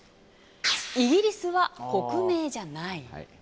イギリスは国名じゃない？